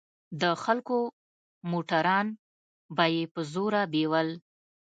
د خلکو موټران به يې په زوره بيول.